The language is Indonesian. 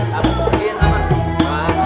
sampai jumpa lagi